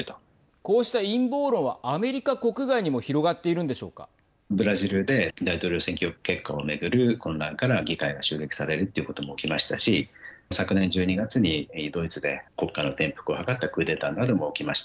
こうした陰謀論はアメリカ国外にもブラジルで大統領選挙結果を巡る混乱から議会が襲撃されるということも起きましたし昨年１２月にドイツで国家の転覆を図ったクーデターなども起きました。